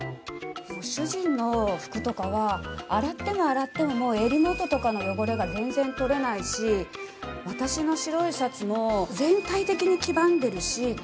主人の服とかは洗っても洗ってももう襟元とかの汚れが全然取れないし私の白いシャツも全体的に黄ばんでるし。